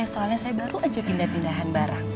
soalnya saya baru aja pindah pindahan barang